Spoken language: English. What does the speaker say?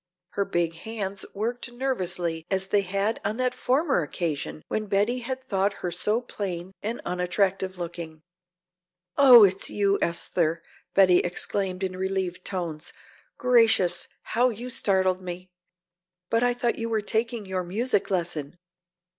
Her big hands worked nervously as they had on that former occasion when Betty had thought her so plain and unattractive looking. "Oh, it's you, Esther," Betty exclaimed in relieved tones. "Gracious, how you startled me! But I thought you were taking your music lesson.